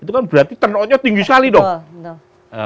itu kan berarti turnoutnya tinggi sekali dong